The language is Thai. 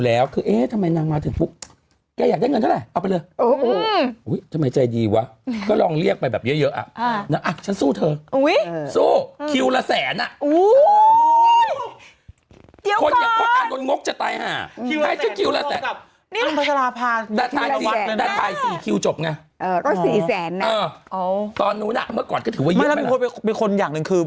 เฮ้จากแวงกัดหนุ่มนะ